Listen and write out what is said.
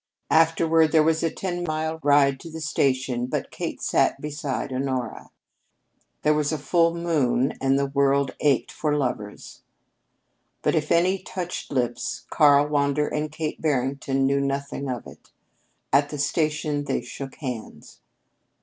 Afterward there was the ten mile ride to the station, but Kate sat beside Honora. There was a full moon and the world ached for lovers. But if any touched lips, Karl Wander and Kate Barrington knew nothing of it. At the station they shook hands.